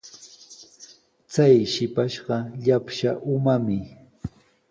Chay shipashqa trapsa umami.